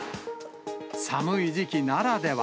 寒い時期ならでは。